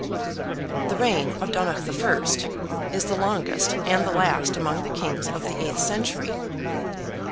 The reign of Donogh I. is the longest and the last among the Kings of the eighth century (A.